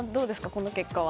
この結果は。